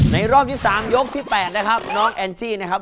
รอบที่๓ยกที่๘นะครับน้องแอนจี้นะครับ